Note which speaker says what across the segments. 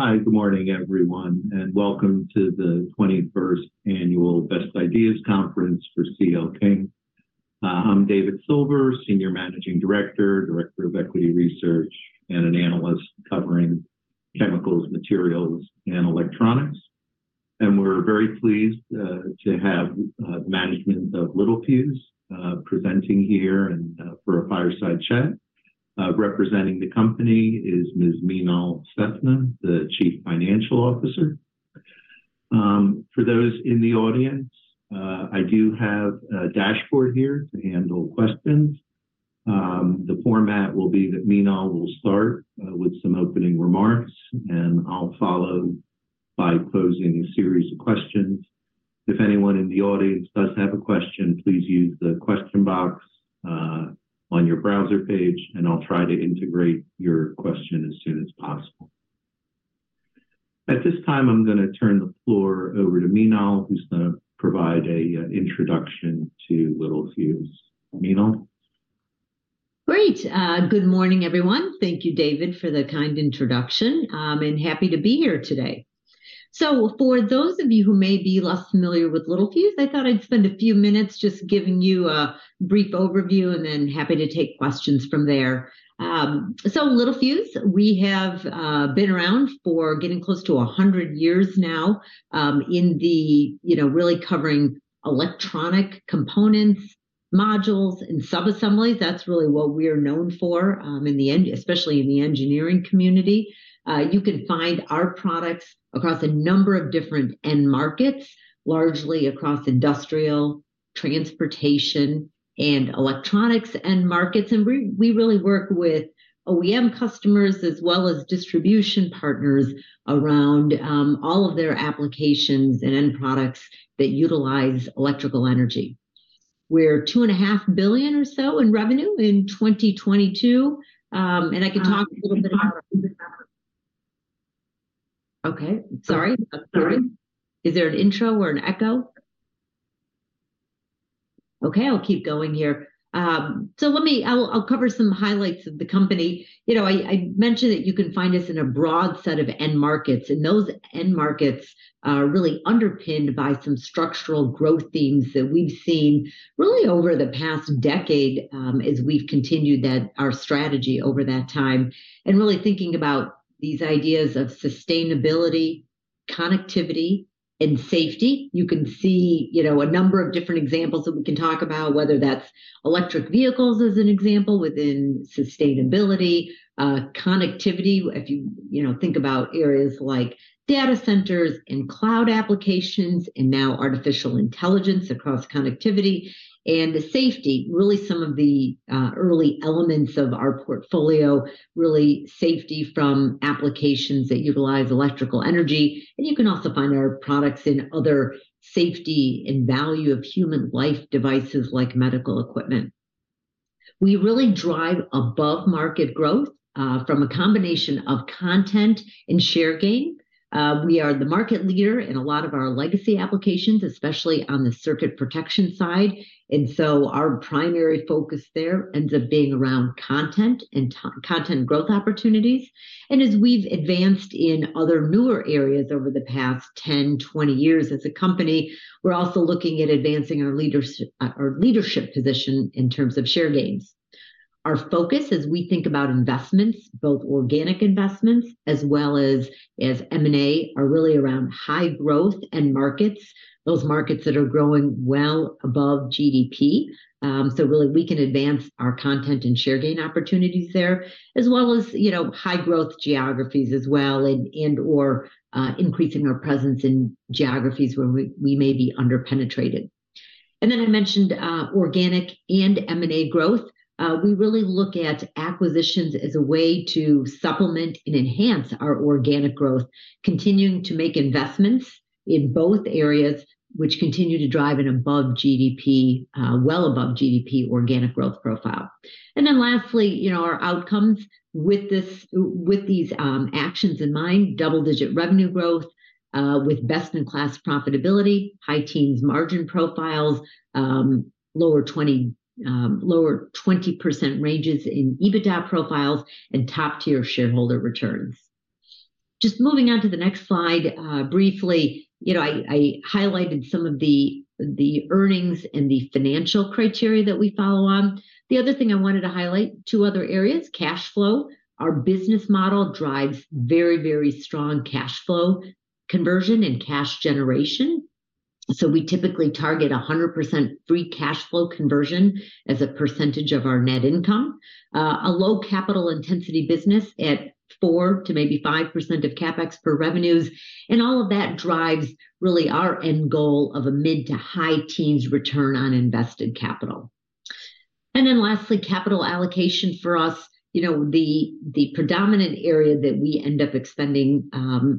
Speaker 1: Hi, good morning, everyone, and welcome to the 21st Annual Best Ideas Conference for C.L. King. I'm David Silver, Senior Managing Director, Director of Equity Research, and an analyst covering chemicals, materials, and electronics. We're very pleased to have management of Littelfuse presenting here and for a fireside chat. Representing the company is Ms. Meenal Sethna, the Chief Financial Officer. For those in the audience, I do have a dashboard here to handle questions. The format will be that Meenal will start with some opening remarks, and I'll follow by posing a series of questions. If anyone in the audience does have a question, please use the question box on your browser page, and I'll try to integrate your question as soon as possible. At this time, I'm gonna turn the floor over to Meenal, who's gonna provide a introduction to Littelfuse. Meenal?
Speaker 2: Great. Good morning, everyone. Thank you, David, for the kind introduction, and happy to be here today. So for those of you who may be less familiar with Littelfuse, I thought I'd spend a few minutes just giving you a brief overview, and then happy to take questions from there. So Littelfuse, we have been around for getting close to 100 years now, in the, you know, really covering electronic components, modules, and sub-assemblies. That's really what we're known for, in the especially in the engineering community. You can find our products across a number of different end markets, largely across industrial, transportation, and electronics end markets. And we, we really work with OEM customers as well as distribution partners around, all of their applications and end products that utilize electrical energy. We're $2.5 billion or so in revenue in 2022, and I can talk a little bit about... I'll cover some highlights of the company. You know, I mentioned that you can find us in a broad set of end markets, and those end markets are really underpinned by some structural growth themes that we've seen really over the past decade, as we've continued our strategy over that time, and really thinking about these ideas of sustainability, connectivity, and safety. You can see, you know, a number of different examples that we can talk about, whether that's electric vehicles as an example within sustainability. Connectivity, if you, you know, think about areas like data centers and cloud applications and now artificial intelligence across connectivity. And the safety, really some of the early elements of our portfolio, really safety from applications that utilize electrical energy, and you can also find our products in other safety and value of human life devices, like medical equipment. We really drive above market growth from a combination of content and share gain. We are the market leader in a lot of our legacy applications, especially on the circuit protection side, and so our primary focus there ends up being around content and content growth opportunities. And as we've advanced in other newer areas over the past 10, 20 years as a company, we're also looking at advancing our leadership position in terms of share gains. Our focus as we think about investments, both organic investments as well as, as M&A, are really around high growth end markets, those markets that are growing well above GDP. So really, we can advance our content and share gain opportunities there, as well as, you know, high growth geographies as well and/or increasing our presence in geographies where we may be under-penetrated. And then I mentioned organic and M&A growth. We really look at acquisitions as a way to supplement and enhance our organic growth, continuing to make investments in both areas, which continue to drive an above GDP, well above GDP, organic growth profile. Then lastly, you know, our outcomes with this, with these actions in mind, double-digit revenue growth with best-in-class profitability, high teens margin profiles, lower 20% ranges in EBITDA profiles, and top-tier shareholder returns. Just moving on to the next slide, briefly, you know, I highlighted some of the earnings and the financial criteria that we follow on. The other thing I wanted to highlight, two other areas, cash flow. Our business model drives very, very strong cash flow conversion and cash generation, so we typically target 100% free cash flow conversion as a percentage of our net income. A low capital intensity business at 4% to maybe 5% of CapEx per revenues, and all of that drives really our end goal of a mid- to high-teens return on invested capital. Then lastly, capital allocation for us. You know, the predominant area that we end up expending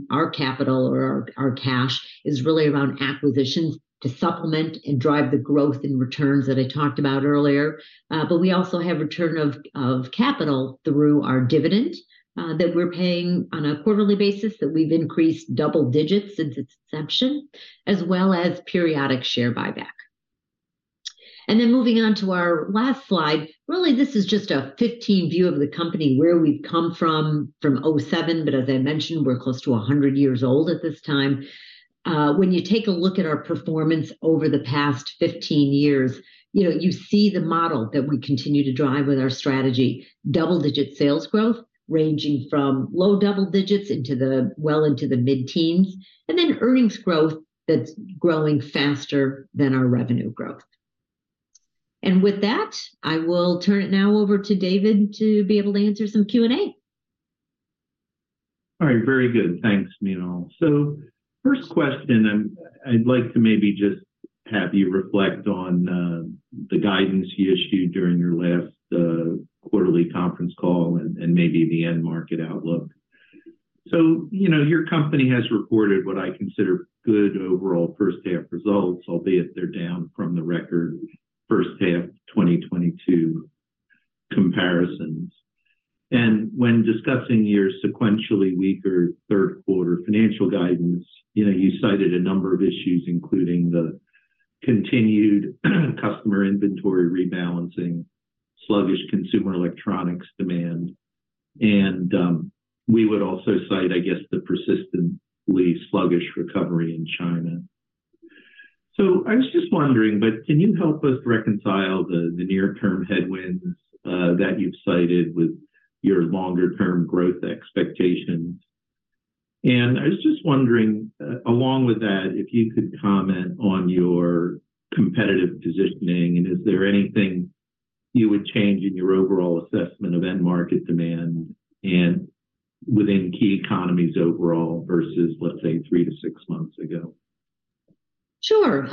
Speaker 2: our capital or our cash is really around acquisitions to supplement and drive the growth in returns that I talked about earlier. But we also have return of capital through our dividend that we're paying on a quarterly basis, that we've increased double digits since its inception, as well as periodic share buyback. Then moving on to our last slide. Really, this is just a 15-year view of the company, where we've come from 2007, but as I mentioned, we're close to 100 years old at this time. When you take a look at our performance over the past 15 years, you know, you see the model that we continue to drive with our strategy. Double-digit sales growth, ranging from low double digits into the, well, into the mid-teens, and then earnings growth that's growing faster than our revenue growth. With that, I will turn it now over to David to be able to answer some Q&A.
Speaker 1: All right, very good. Thanks, Meenal. So first question, I'd like to maybe just have you reflect on the guidance you issued during your last quarterly conference call and maybe the end market outlook. So, you know, your company has reported what I consider good overall first half results, albeit they're down from the record first half of 2022 comparisons. And when discussing your sequentially weaker Q3 financial guidance, you know, you cited a number of issues, including the continued customer inventory rebalancing, sluggish consumer electronics demand, and we would also cite, I guess, the persistently sluggish recovery in China. So I was just wondering, but can you help us reconcile the near-term headwinds that you've cited with your longer-term growth expectations? I was just wondering, along with that, if you could comment on your competitive positioning, and is there anything you would change in your overall assessment of end market demand and within key economies overall versus, let's say, 3-6 months ago?
Speaker 2: Sure.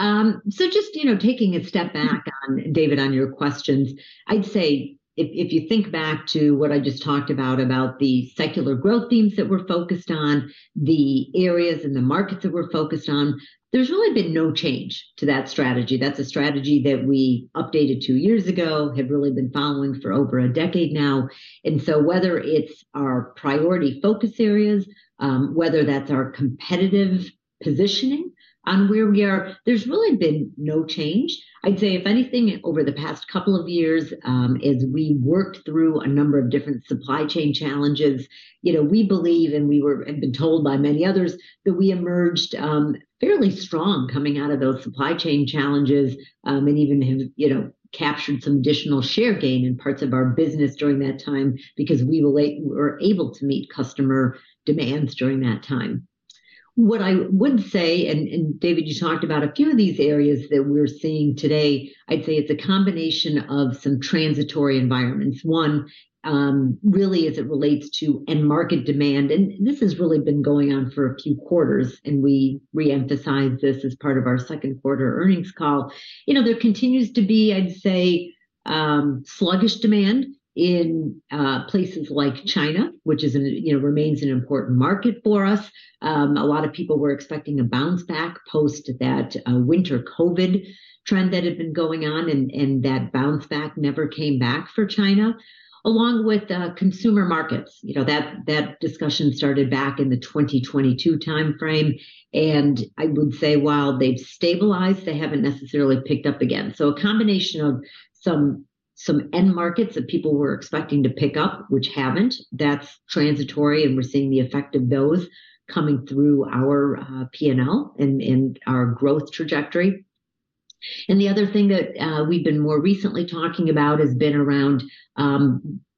Speaker 2: So just, you know, taking a step back on, David, on your questions, I'd say if, if you think back to what I just talked about, about the secular growth themes that we're focused on, the areas and the markets that we're focused on, there's really been no change to that strategy. That's a strategy that we updated two years ago, have really been following for over a decade now. And so whether it's our priority focus areas, whether that's our competitive positioning on where we are, there's really been no change. I'd say, if anything, over the past couple of years, as we worked through a number of different supply chain challenges, you know, we believe, and we have been told by many others, that we emerged, fairly strong coming out of those supply chain challenges, and even have, you know, captured some additional share gain in parts of our business during that time because we were able to meet customer demands during that time. What I would say, and David, you talked about a few of these areas that we're seeing today, I'd say it's a combination of some transitory environments. One, really as it relates to end market demand, and this has really been going on for a few quarters, and we reemphasized this as part of our Q2 earnings call. You know, there continues to be, I'd say, sluggish demand in places like China, which, you know, remains an important market for us. A lot of people were expecting a bounce back post that winter COVID trend that had been going on, and that bounce back never came back for China. Along with consumer markets. You know, that discussion started back in the 2022 timeframe, and I would say while they've stabilized, they haven't necessarily picked up again. So a combination of some end markets that people were expecting to pick up, which haven't, that's transitory, and we're seeing the effect of those coming through our P&L and our growth trajectory. The other thing that we've been more recently talking about has been around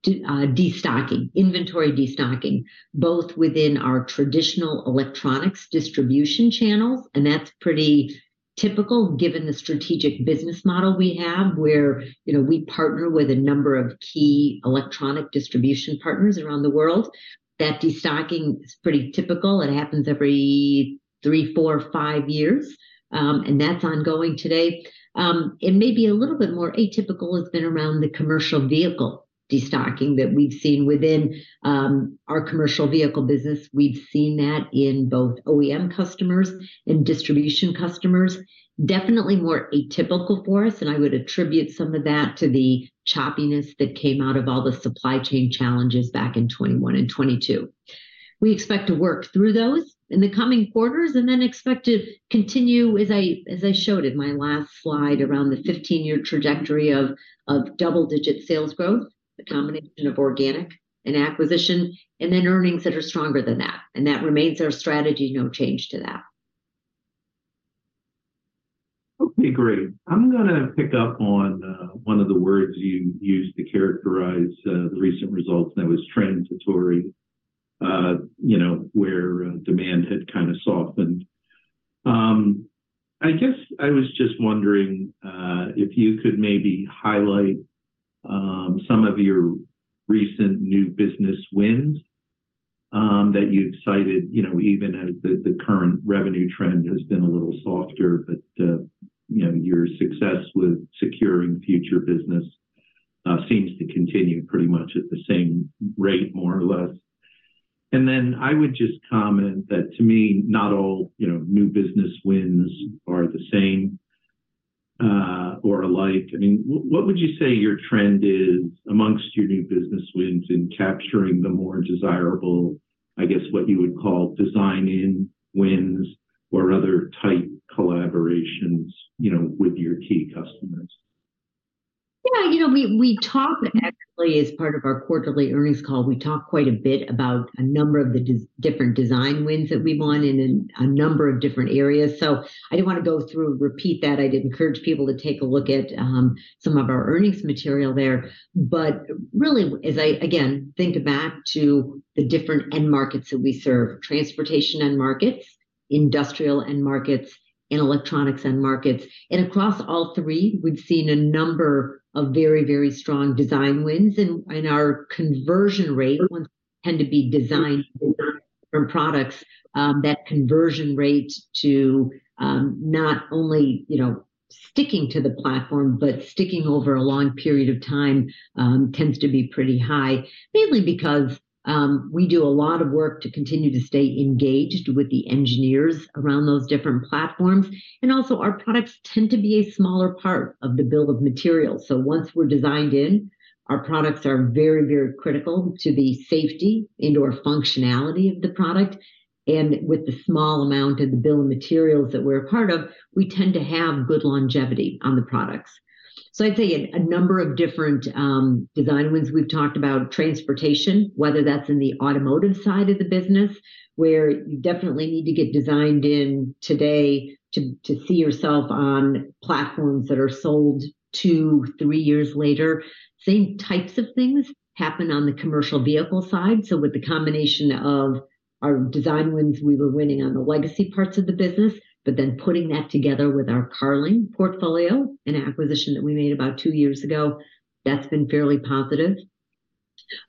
Speaker 2: destocking, inventory destocking, both within our traditional electronics distribution channels, and that's pretty typical given the strategic business model we have, where, you know, we partner with a number of key electronic distribution partners around the world. That destocking is pretty typical. It happens every 3, 4, 5 years, and that's ongoing today. Maybe a little bit more atypical has been around the commercial vehicle destocking that we've seen within our commercial vehicle business. We've seen that in both OEM customers and distribution customers. Definitely more atypical for us, and I would attribute some of that to the choppiness that came out of all the supply chain challenges back in 2021 and 2022. We expect to work through those in the coming quarters and then expect to continue, as I, as I showed in my last slide, around the 15-year trajectory of, of double-digit sales growth, the combination of organic and acquisition, and then earnings that are stronger than that. That remains our strategy, no change to that.
Speaker 1: Okay, great. I'm gonna pick up on one of the words you used to characterize the recent results, and that was transitory, you know, where demand had kind of softened. I guess I was just wondering if you could maybe highlight some of your recent new business wins that you've cited, you know, even as the current revenue trend has been a little softer, but you know, your success with securing future business seems to continue pretty much at the same rate, more or less. And then I would just comment that to me, not all, you know, new business wins are the same or alike. I mean, what would you say your trend is amongst your new business wins in capturing the more desirable-... I guess, what you would call design-in wins or other tight collaborations, you know, with your key customers?
Speaker 2: Yeah, you know, we, we talked actually as part of our quarterly earnings call, we talked quite a bit about a number of the different design wins that we won in a number of different areas. So I didn't wanna go through and repeat that. I'd encourage people to take a look at some of our earnings material there. But really, as I, again, think back to the different end markets that we serve, transportation end markets, industrial end markets, and electronics end markets, and across all three, we've seen a number of very, very strong design wins. And, and our conversion rate ones tend to be designed products, that conversion rate to, not only, you know, sticking to the platform, but sticking over a long period of time, tends to be pretty high. Mainly because we do a lot of work to continue to stay engaged with the engineers around those different platforms, and also our products tend to be a smaller part of the bill of materials. So once we're designed in, our products are very, very critical to the safety and/or functionality of the product. And with the small amount of the bill of materials that we're a part of, we tend to have good longevity on the products. So I'd say a number of different design wins. We've talked about transportation, whether that's in the automotive side of the business, where you definitely need to get designed in today to see yourself on platforms that are sold 2-3 years later. Same types of things happen on the commercial vehicle side. So with the combination of our design wins, we were winning on the legacy parts of the business, but then putting that together with our Carling portfolio, an acquisition that we made about 2 years ago, that's been fairly positive.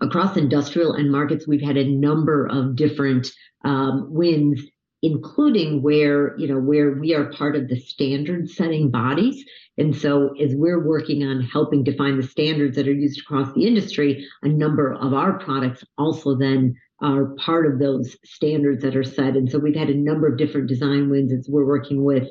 Speaker 2: Across industrial end markets, we've had a number of different wins, including where, you know, where we are part of the standard-setting bodies. And so as we're working on helping define the standards that are used across the industry, a number of our products also then are part of those standards that are set. And so we've had a number of different design wins as we're working with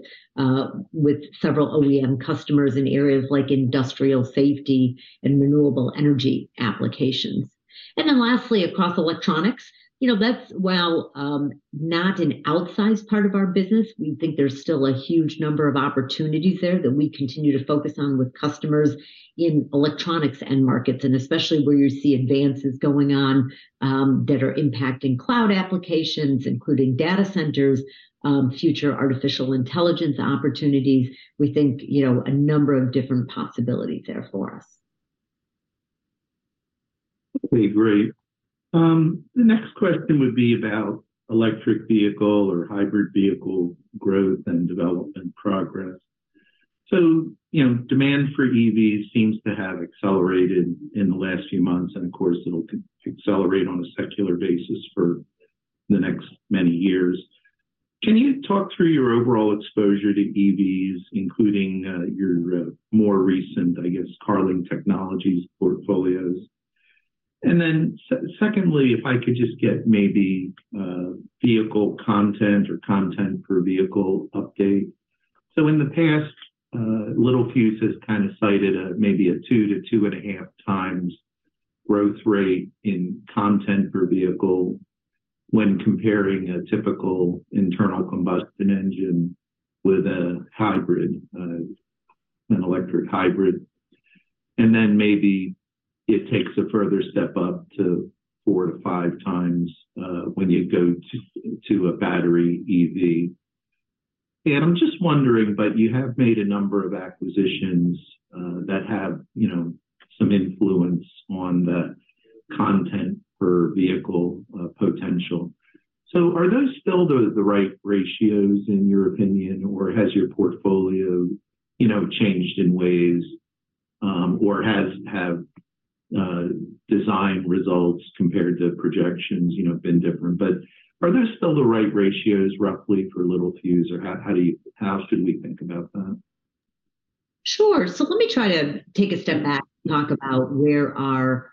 Speaker 2: several OEM customers in areas like industrial safety and renewable energy applications. And then lastly, across electronics, you know, that's, while, not an outsized part of our business, we think there's still a huge number of opportunities there that we continue to focus on with customers in electronics end markets, and especially where you see advances going on, that are impacting cloud applications, including data centers, future artificial intelligence opportunities. We think, you know, a number of different possibilities there for us.
Speaker 1: Okay, great. The next question would be about electric vehicle or hybrid vehicle growth and development progress. So, you know, demand for EVs seems to have accelerated in the last few months, and of course, it'll accelerate on a secular basis for the next many years. Can you talk through your overall exposure to EVs, including your more recent, I guess, Carling Technologies portfolios? And then secondly, if I could just get maybe vehicle content or content per vehicle update. So in the past, Littelfuse has kind of cited a maybe a 2-2.5 times growth rate in content per vehicle when comparing a typical internal combustion engine with a hybrid, an electric hybrid. And then maybe it takes a further step up to 4-5 times when you go to a battery EV. I'm just wondering, but you have made a number of acquisitions that have, you know, some influence on that content per vehicle potential. So are those still the right ratios, in your opinion, or has your portfolio, you know, changed in ways, or have design results compared to projections, you know, been different? But are those still the right ratios, roughly, for Littelfuse, or how should we think about that?
Speaker 2: Sure. So let me try to take a step back and talk about where our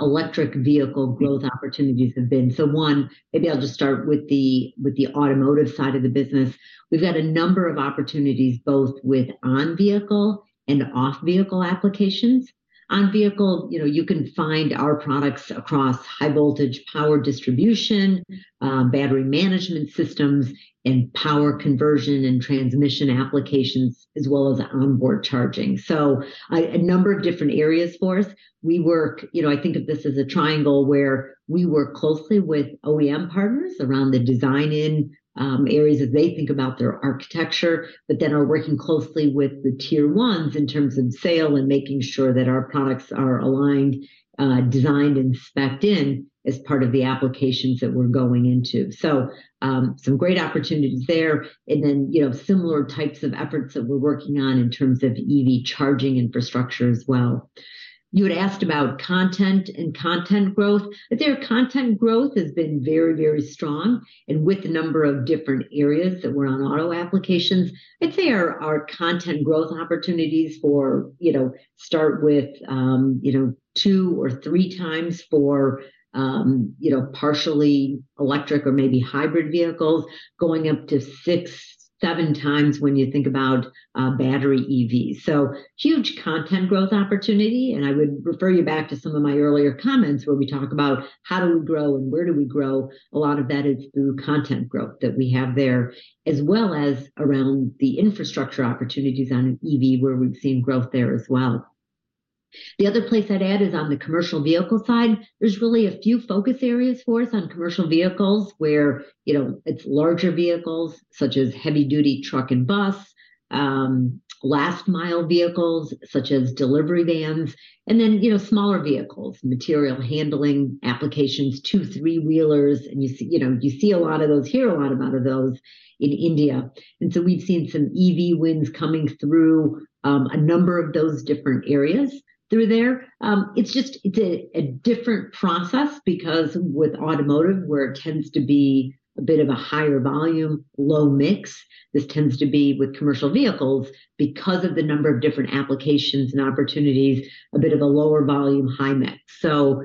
Speaker 2: electric vehicle growth opportunities have been. So one, maybe I'll just start with the automotive side of the business. We've had a number of opportunities, both with on-vehicle and off-vehicle applications. On-vehicle, you know, you can find our products across high-voltage power distribution, battery management systems, and power conversion and transmission applications, as well as onboard charging. So a number of different areas for us. We work. You know, I think of this as a triangle where we work closely with OEM partners around the design-in areas as they think about their architecture, but then are working closely with the Tier 1s in terms of sale and making sure that our products are aligned, designed and spec'd in as part of the applications that we're going into. So, some great opportunities there, and then, you know, similar types of efforts that we're working on in terms of EV charging infrastructure as well. You had asked about content and content growth. I'd say our content growth has been very, very strong, and with the number of different areas that we're on auto applications, I'd say our content growth opportunities for, you know, start with, you know, 2 or 3 times for, you know, partially electric or maybe hybrid vehicles, going up to 6-7 times when you think about battery EVs. So huge content growth opportunity, and I would refer you back to some of my earlier comments, where we talk about how do we grow and where do we grow. A lot of that is through content growth that we have there, as well as around the infrastructure opportunities on an EV, where we've seen growth there as well. The other place I'd add is on the commercial vehicle side. There's really a few focus areas for us on commercial vehicles, where, you know, it's larger vehicles such as heavy duty truck and bus, last mile vehicles such as delivery vans, and then, you know, smaller vehicles, material handling applications, 2, 3 wheelers. And you see, you know, you see a lot of those, hear a lot about those in India. And so we've seen some EV wins coming through, a number of those different areas through there. It's just a different process because with automotive, where it tends to be a bit of a higher volume, low mix, this tends to be with commercial vehicles because of the number of different applications and opportunities, a bit of a lower volume, high mix. So,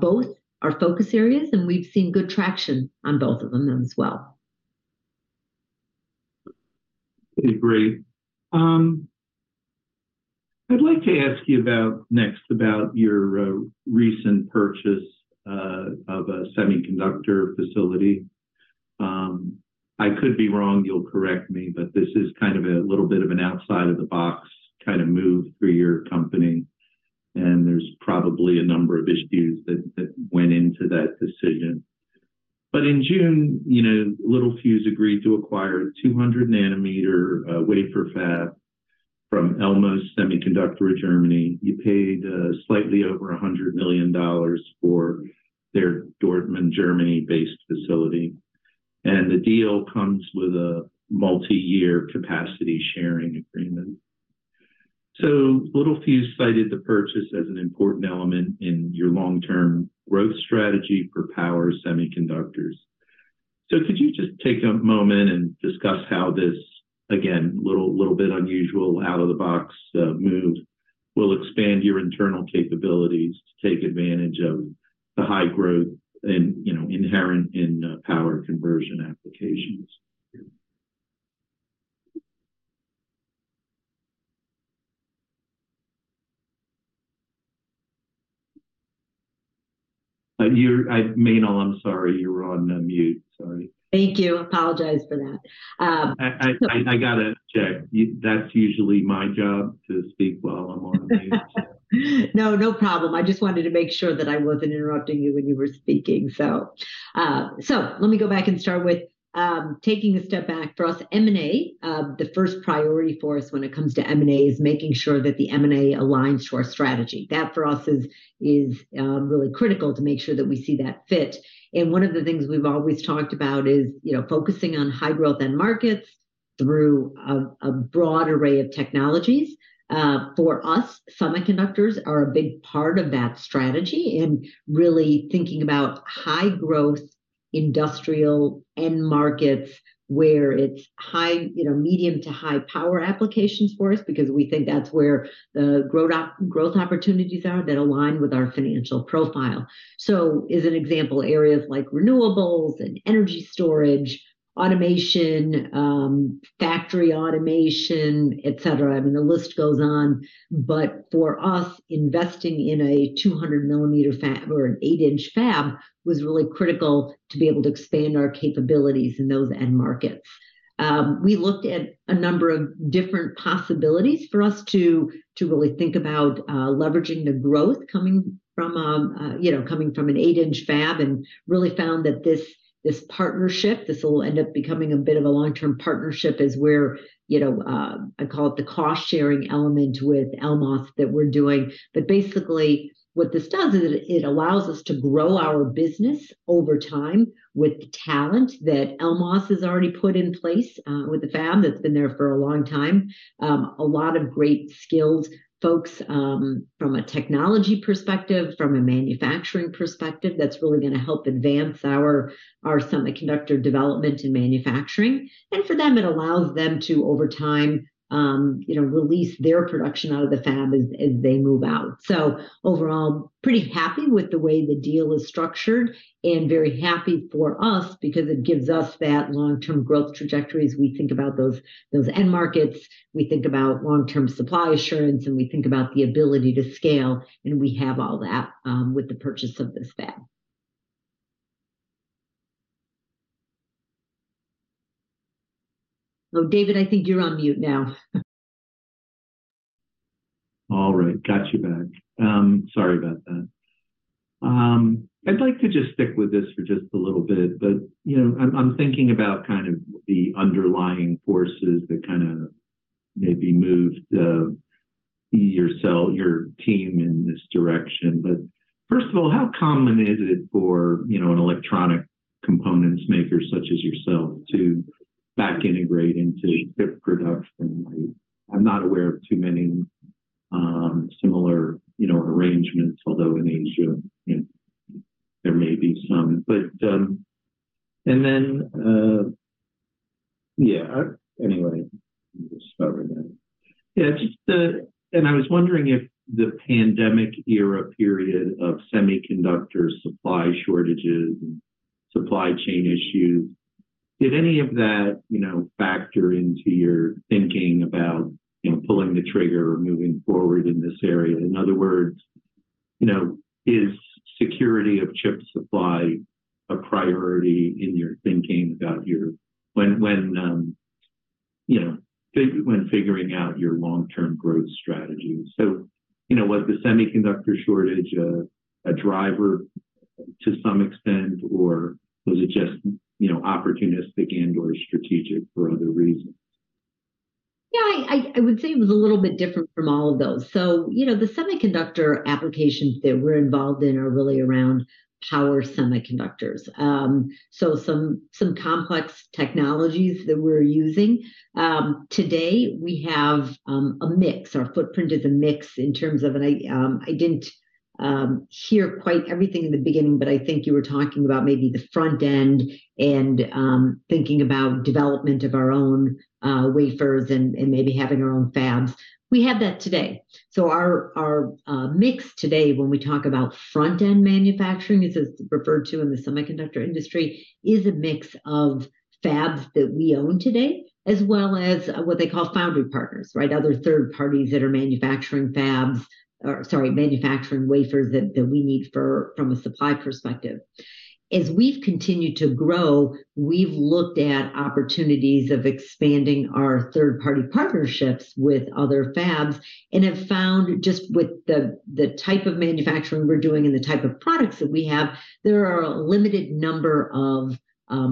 Speaker 2: both are focus areas, and we've seen good traction on both of them as well.
Speaker 1: Okay, great. I'd like to ask you about next, about your recent purchase of a semiconductor facility. I could be wrong, you'll correct me, but this is kind of a little bit of an outside of the box kind of move for your company, and there's probably a number of issues that went into that decision. But in June, you know, Littelfuse agreed to acquire a 200 mm wafer fab from Elmos Semiconductor, Germany. You paid slightly over $100 million for their Dortmund, Germany-based facility, and the deal comes with a multi-year capacity sharing agreement. So Littelfuse cited the purchase as an important element in your long-term growth strategy for power semiconductors. So could you just take a moment and discuss how this, again, little, little bit unusual, out-of-the-box, move, will expand your internal capabilities to take advantage of the high growth and, you know, inherent in, power conversion applications? You're, Meenal, I'm sorry, you were on mute. Sorry.
Speaker 2: Thank you. Apologize for that.
Speaker 1: I gotta check. That's usually my job, to speak while I'm on mute.
Speaker 2: No, no problem. I just wanted to make sure that I wasn't interrupting you when you were speaking. So, so let me go back and start with taking a step back. For us, M&A, the first priority for us when it comes to M&A is making sure that the M&A aligns to our strategy. That, for us, is really critical to make sure that we see that fit. And one of the things we've always talked about is, you know, focusing on high growth end markets through a broad array of technologies. For us, semiconductors are a big part of that strategy and really thinking about high growth industrial end markets where it's high, you know, medium to high power applications for us, because we think that's where the growth opportunities are that align with our financial profile. So, as an example, areas like renewables and energy storage, automation, factory automation, et cetera. I mean, the list goes on. But for us, investing in a 200mm wafer fab or an eight-inch fab was really critical to be able to expand our capabilities in those end markets. We looked at a number of different possibilities for us to really think about leveraging the growth coming from, you know, coming from an eight-inch fab, and really found that this partnership, this will end up becoming a bit of a long-term partnership, is where, you know, I call it the cost-sharing element with Elmos that we're doing. But basically, what this does is it allows us to grow our business over time with talent that Elmos has already put in place with the fab that's been there for a long time. A lot of great skilled folks from a technology perspective, from a manufacturing perspective, that's really gonna help advance our semiconductor development and manufacturing. And for them, it allows them to over time, you know, release their production out of the fab as they move out. So overall, pretty happy with the way the deal is structured, and very happy for us because it gives us that long-term growth trajectory as we think about those end markets, we think about long-term supply assurance, and we think about the ability to scale, and we have all that with the purchase of this fab. Oh, David, I think you're on mute now.
Speaker 1: All right. Got you back. Sorry about that. I'd like to just stick with this for just a little bit, but, you know, I'm, I'm thinking about kind of the underlying forces that kind a maybe moved yourself, your team in this direction. But first of all, how common is it for, you know, an electronic components maker such as yourself to back integrate into chip production? I'm not aware of too many similar, you know, arrangements, although in Asia, you know, there may be some. But and then, yeah, anyway, just covering it. Yeah, just, and I was wondering if the pandemic era period of semiconductor supply shortages and supply chain issues, did any of that, you know, factor into your thinking about, you know, pulling the trigger or moving forward in this area? In other words, you know, is security of chip supply a priority in your thinking about your, when figuring out your long-term growth strategy. So, you know, was the semiconductor shortage a driver to some extent, or was it just, you know, opportunistic and/or strategic for other reasons?
Speaker 2: Yeah, I would say it was a little bit different from all of those. So, you know, the semiconductor applications that we're involved in are really around power semiconductors. Some complex technologies that we're using. Today, we have a mix. Our footprint is a mix in terms of, and I didn't hear quite everything in the beginning, but I think you were talking about maybe the front end and thinking about development of our own wafers and maybe having our own fabs. We have that today. So our mix today, when we talk about front-end manufacturing, as it's referred to in the semiconductor industry, is a mix of fabs that we own today, as well as what they call foundry partners, right? Other third parties that are manufacturing fabs, or sorry, manufacturing wafers that we need for from a supply perspective. As we've continued to grow, we've looked at opportunities of expanding our third-party partnerships with other fabs, and have found just with the type of manufacturing we're doing and the type of products that we have, there are a limited number of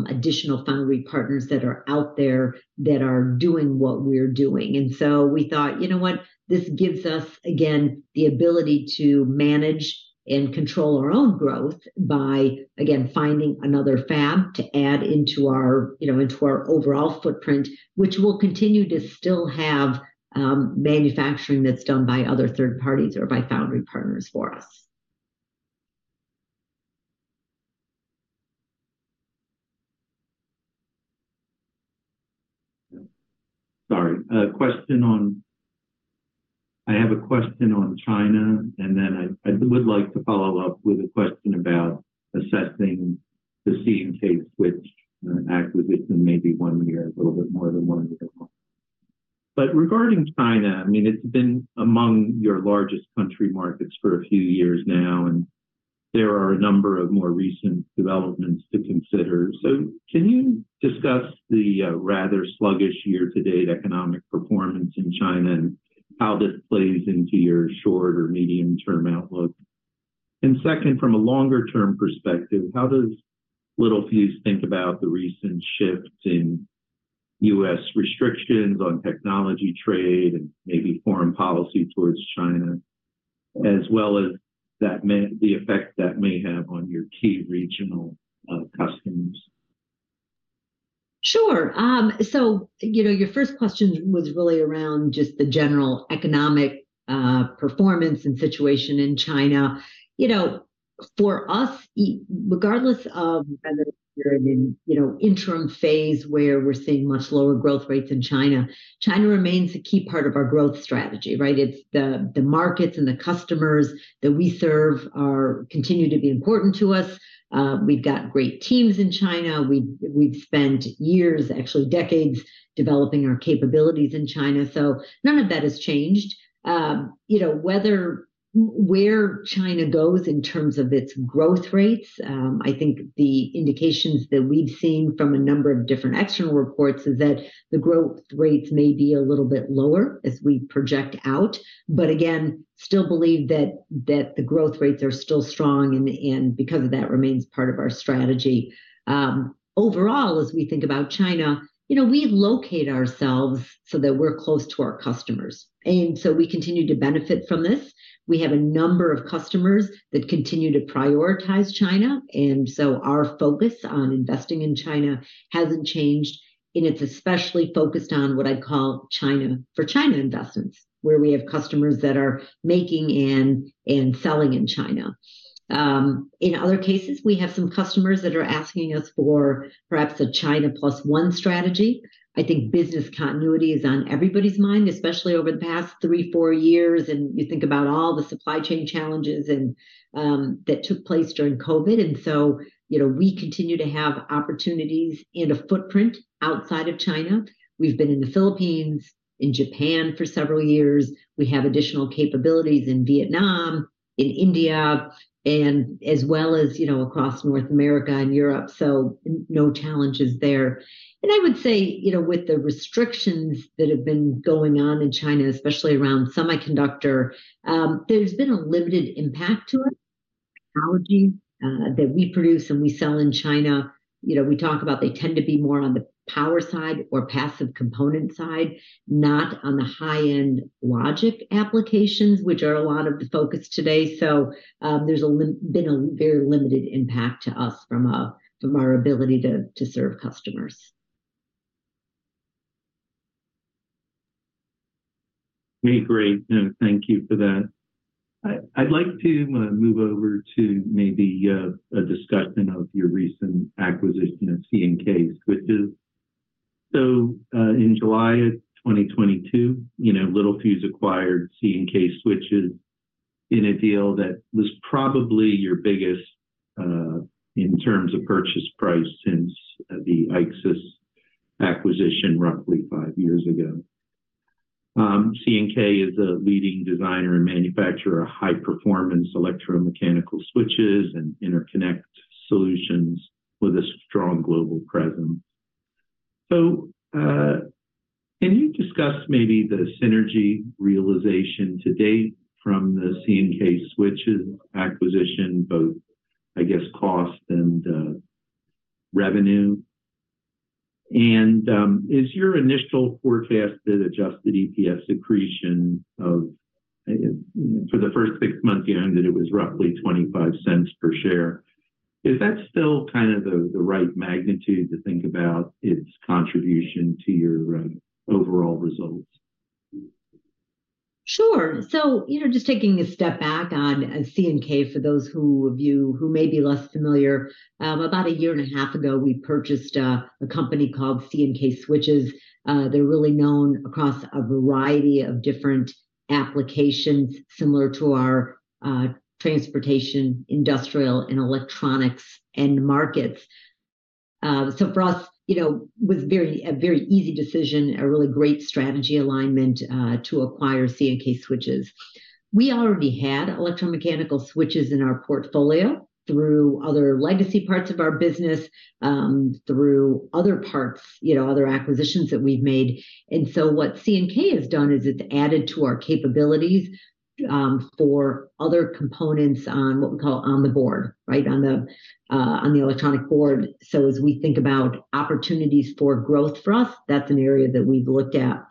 Speaker 2: additional foundry partners that are out there that are doing what we're doing. And so we thought, you know what? This gives us, again, the ability to manage and control our own growth by, again, finding another fab to add into our, you know, into our overall footprint, which will continue to still have manufacturing that's done by other third parties or by foundry partners for us.
Speaker 1: I have a question on China, and then I would like to follow up with a question about assessing the C&K Switches acquisition, maybe one year, a little bit more than one year ago. But regarding China, I mean, it's been among your largest country markets for a few years now, and there are a number of more recent developments to consider. So can you discuss the rather sluggish year-to-date economic performance in China and how this plays into your short- or medium-term outlook? And second, from a longer term perspective, how does Littelfuse think about the recent shift in U.S. restrictions on technology trade and maybe foreign policy towards China, as well as the effect that may have on your key regional customers?
Speaker 2: Sure. So, you know, your first question was really around just the general economic performance and situation in China. You know, for us, regardless of whether we're in an, you know, interim phase where we're seeing much lower growth rates in China, China remains a key part of our growth strategy, right? It's the markets and the customers that we serve continue to be important to us. We've got great teams in China. We've spent years, actually decades, developing our capabilities in China, so none of that has changed. You know, whether where China goes in terms of its growth rates, I think the indications that we've seen from a number of different external reports is that the growth rates may be a little bit lower as we project out. But again, still believe that the growth rates are still strong and because of that, remains part of our strategy. Overall, as we think about China, you know, we locate ourselves so that we're close to our customers, and so we continue to benefit from this. We have a number of customers that continue to prioritize China, and so our focus on investing in China hasn't changed, and it's especially focused on what I'd call China for China investments, where we have customers that are making and selling in China. In other cases, we have some customers that are asking us for perhaps a China Plus One strategy. I think business continuity is on everybody's mind, especially over the past 3-4 years, and you think about all the supply chain challenges and that took place during COVID. So, you know, we continue to have opportunities and a footprint outside of China. We've been in the Philippines, in Japan for several years. We have additional capabilities in Vietnam, in India, and as well as, you know, across North America and Europe, so no challenges there. And I would say, you know, with the restrictions that have been going on in China, especially around semiconductor, there's been a limited impact to it. Technology that we produce and we sell in China, you know, we talk about they tend to be more on the power side or passive component side, not on the high-end logic applications, which are a lot of the focus today. So, there's been a very limited impact to us from our ability to serve customers.
Speaker 1: Okay, great. Thank you for that. I'd like to move over to maybe a discussion of your recent acquisition of C&K Switches. So, in July of 2022, you know, Littelfuse acquired C&K Switches in a deal that was probably your biggest in terms of purchase price since the IXYS acquisition roughly five years ago. C&K is a leading designer and manufacturer of high-performance electromechanical switches and interconnect solutions with a strong global presence. So, can you discuss maybe the synergy realization to date from the C&K Switches acquisition, both, I guess, cost and revenue? And, is your initial forecasted adjusted EPS accretion of, for the first six months you ended, it was roughly $0.25 per share. Is that still kind of the right magnitude to think about its contribution to your overall results?
Speaker 2: Sure. So, you know, just taking a step back on C&K, for those of you who may be less familiar, about a year and a half ago, we purchased a company called C&K Switches. They're really known across a variety of different applications similar to our transportation, industrial, and electronics end markets. So for us, you know, it was a very easy decision, a really great strategy alignment to acquire C&K Switches. We already had electromechanical switches in our portfolio through other legacy parts of our business, through other parts, you know, other acquisitions that we've made. And so what C&K has done is it's added to our capabilities for other components on what we call on the board, right? On the electronic board. So as we think about opportunities for growth for us, that's an area that we've looked at.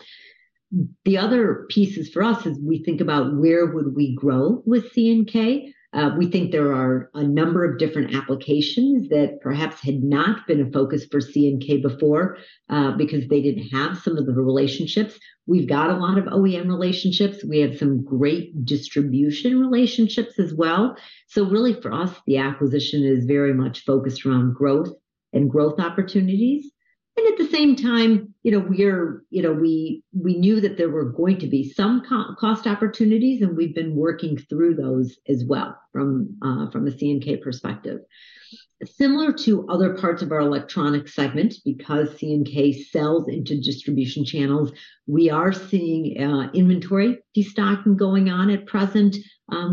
Speaker 2: The other pieces for us as we think about where would we grow with C&K, we think there are a number of different applications that perhaps had not been a focus for C&K before, because they didn't have some of the relationships. We've got a lot of OEM relationships. We have some great distribution relationships as well. So really, for us, the acquisition is very much focused around growth and growth opportunities. And at the same time, you know, we're, you know, we knew that there were going to be some cost opportunities, and we've been working through those as well from a C&K perspective. Similar to other parts of our electronic segment, because C&K sells into distribution channels, we are seeing inventory destocking going on at present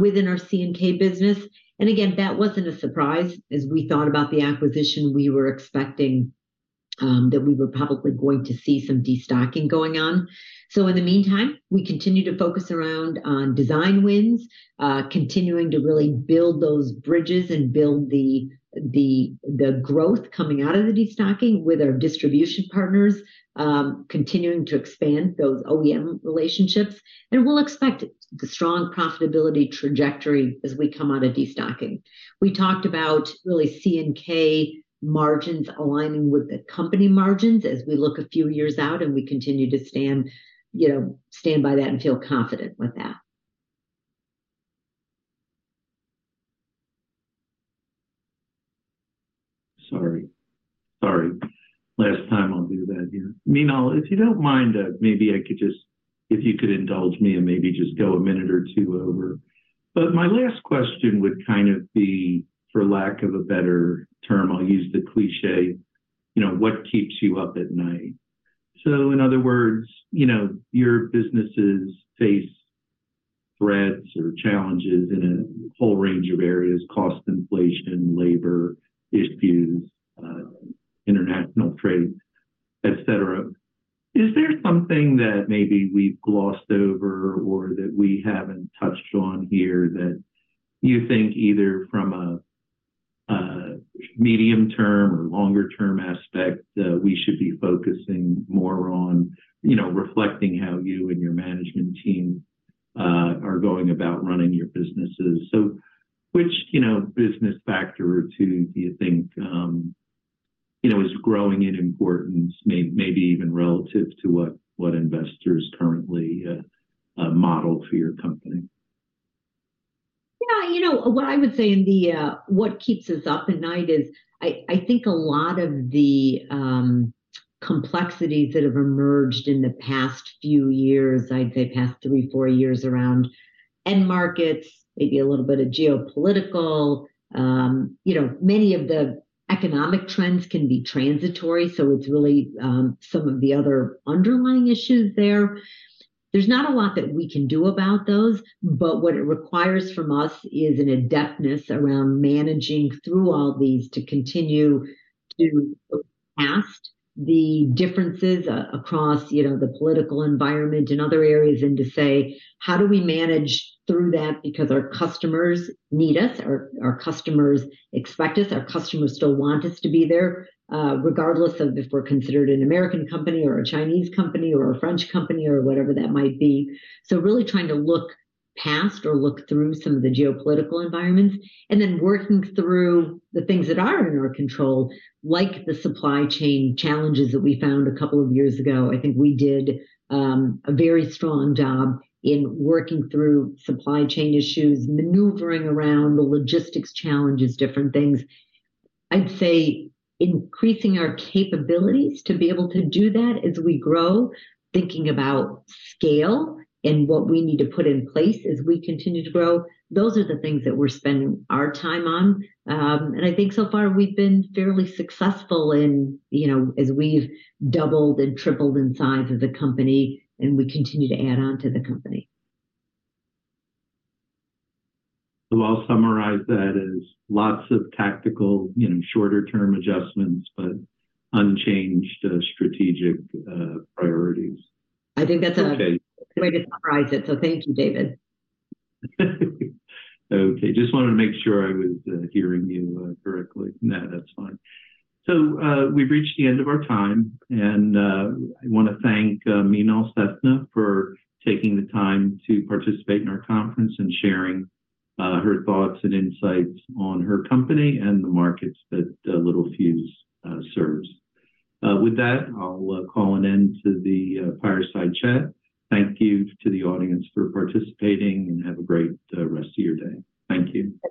Speaker 2: within our C&K business. And again, that wasn't a surprise. As we thought about the acquisition, we were expecting that we were probably going to see some destocking going on. So in the meantime, we continue to focus around on design wins, continuing to really build those bridges and build the growth coming out of the destocking with our distribution partners, continuing to expand those OEM relationships. And we'll expect the strong profitability trajectory as we come out of destocking. We talked about really C&K margins aligning with the company margins as we look a few years out, and we continue to stand, you know, stand by that and feel confident with that.
Speaker 1: Sorry. Sorry. Last time I'll do that here. Meenal, if you don't mind, maybe I could just, if you could indulge me and maybe just go a minute or two over. But my last question would kind of be, for lack of a better term, I'll use the cliché, you know, what keeps you up at night? So in other words, you know, your businesses face threats or challenges in a whole range of areas, cost inflation, labor issues, international trade, et cetera. Is there something that maybe we've glossed over or that we haven't touched on here that you think, either from a medium-term or longer-term aspect, we should be focusing more on, you know, reflecting how you and your management team are going about running your businesses? So which, you know, business factor or two do you think, you know, is growing in importance, maybe even relative to what investors currently model for your company?
Speaker 2: Yeah, you know, what I would say in the what keeps us up at night is, I think a lot of the complexities that have emerged in the past few years, I'd say past 3, 4 years, around end markets, maybe a little bit of geopolitical. You know, many of the economic trends can be transitory, so it's really some of the other underlying issues there. There's not a lot that we can do about those, but what it requires from us is an adeptness around managing through all these to continue to look past the differences across, you know, the political environment and other areas, and to say: How do we manage through that? Because our customers need us, our customers expect us, our customers still want us to be there, regardless of if we're considered an American company or a Chinese company or a French company or whatever that might be. So really trying to look past or look through some of the geopolitical environments, and then working through the things that are in our control, like the supply chain challenges that we found a couple of years ago. I think we did a very strong job in working through supply chain issues, maneuvering around the logistics challenges, different things. I'd say increasing our capabilities to be able to do that as we grow, thinking about scale and what we need to put in place as we continue to grow, those are the things that we're spending our time on. I think so far, we've been fairly successful in, you know, as we've doubled and tripled in size of the company, and we continue to add on to the company.
Speaker 1: So I'll summarize that as lots of tactical, you know, shorter-term adjustments, but unchanged strategic priorities.
Speaker 2: I think that's a-
Speaker 1: Okay
Speaker 2: Way to summarize it, so thank you, David.
Speaker 1: Okay, just wanted to make sure I was hearing you correctly. No, that's fine. So, we've reached the end of our time, and I wanna thank Meenal Sethna for taking the time to participate in our conference and sharing her thoughts and insights on her company and the markets that Littelfuse serves. With that, I'll call an end to the Fireside Chat. Thank you to the audience for participating, and have a great rest of your day. Thank you.